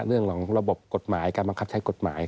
เรื่องของระบบกฎหมายการบังคับใช้กฎหมาย